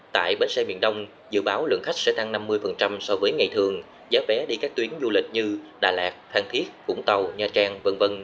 tại bến xe miền đông dự báo lượng khách sẽ tăng năm mươi so với ngày thường giá vé đi các tuyến du lịch như đà lạt thang thiết vũng tàu nha trang v v